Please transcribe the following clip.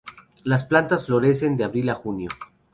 Las plantas florecen de abril a junio.